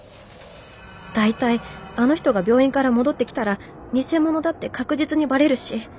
大体あの人が病院から戻ってきたら偽者だって確実にバレるし。